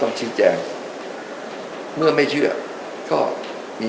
แต่ว่าเราก่อได้รัฐบาลพวกเนี่ยเราก็ต้องเลือกความเชื่อมั่นต่างจากนี้